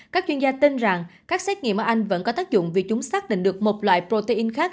các chuyên gia tin rằng các xét nghiệm ở anh vẫn có tác dụng vì chúng xác định được một loại protein khác